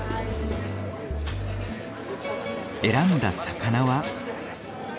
選んだ魚は。